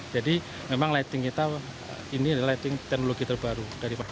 jadi memang lighting kita ini lighting teknologi terbaru